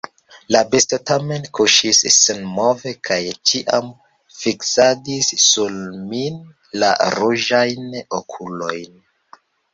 La besto tamen kuŝis senmove kaj ĉiam fiksadis sur min la ruĝajn okulojn.